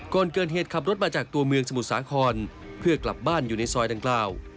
ก่อนเกิดเหตุขับรถมาจากตัวเมืองสมุทรสาครเพื่อกลับบ้านอยู่ในซอยดังกล่าว